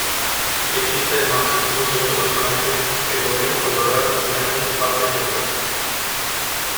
Existe además un segundo personaje que podremos controlar en algunas partes del juego.